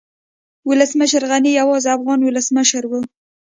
ولسمشر غني يوازينی افغان ولسمشر و